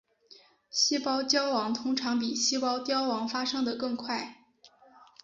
细胞焦亡通常比细胞凋亡发生的更快。